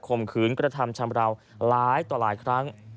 มขืนกระทำชำราวหลายต่อหลายครั้ง